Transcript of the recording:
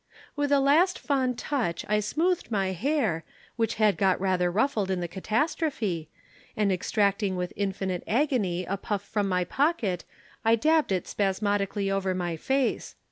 "With a last fond touch I smoothed my hair, which had got rather ruffled in the catastrophe, and extracting with infinite agony a puff from my pocket I dabbed it spasmodically over my face.